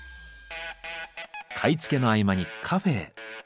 買い付けの合間にカフェへ。